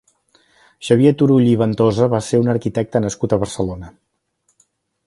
Xavier Turull i Ventosa va ser un arquitecte nascut a Barcelona.